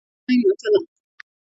کمپیوټر کې یې انلاین وتله.